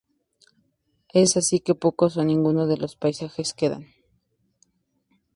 Es así que pocos o ninguno de sus paisajes quedan.